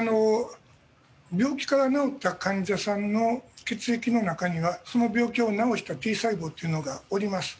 病気から治った患者さんの血液の中には、その病気を治したＴ細胞というのがおります。